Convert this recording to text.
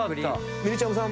みりちゃむさん